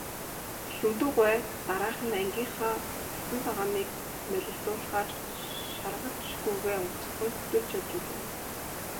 Лхүндэв гуай дараахан нь ангийнхаа улцан цагааныг малиндуулахаар шаргач гүүгээ уначихсан хөтөлж явж билээ.